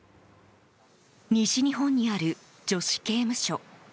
西日本にある女子刑務所。